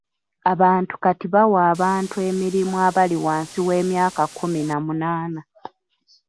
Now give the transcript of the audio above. Abantu kati bawa abantu emirimu abali wansi w'emyaka kkumi na munaana